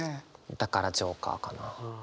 だからジョーカーかな。